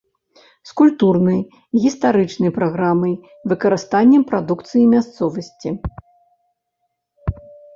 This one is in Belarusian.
З культурнай, гістарычнай праграмай, выкарыстаннем прадукцыі мясцовасці.